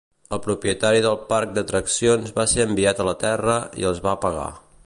El propietari del parc d'atraccions va ser enviat a la Terra i els va apagar.